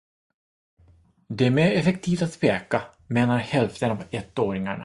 Det är mer effektivt att peka menar hälften av ettåringarna.